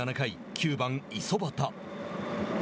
９番、五十幡。